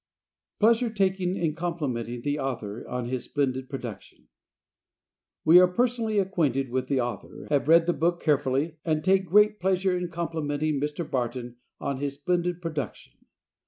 Pleasure Taken "in Complimenting the Author on His Splendid Production." We are personally acquainted with the author, have read the book carefully, and take great pleasure in complimenting Mr. Barton on his splendid production.